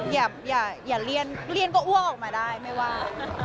อย่าเรียนก็อ้วกออกมาได้ไม่ว่า